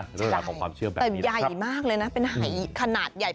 เรื่องราวของความเชื่อมแบบนี้นะครับใช่แต่ใหญ่มากเลยนะเป็นหายขนาดใหญ่